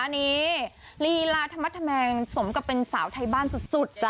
นี่ลีลาธมทมังสมกับเป็นสาวไทยบ้านสุด